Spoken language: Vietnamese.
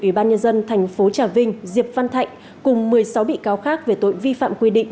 ủy ban nhân dân thành phố trà vinh diệp văn thạnh cùng một mươi sáu bị cáo khác về tội vi phạm quy định